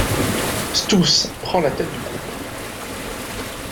Stuffz prend la tête du groupe.